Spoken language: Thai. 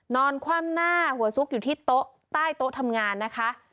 คว่ำหน้าหัวซุกอยู่ที่โต๊ะใต้โต๊ะทำงานนะคะ